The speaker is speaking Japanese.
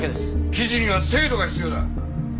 記事には精度が必要だ。